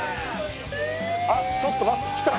あっちょっと待って来た。